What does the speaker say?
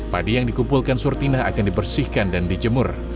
padi yang dikumpulkan surtina akan dibersihkan dan dijemur